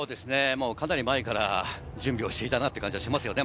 かなり前から準備をしていたなって感じがしますね。